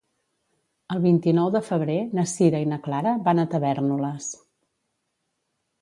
El vint-i-nou de febrer na Sira i na Clara van a Tavèrnoles.